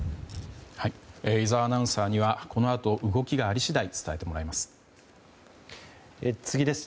井澤アナウンサーにはこのあと動きがあり次第伝えてもらいます。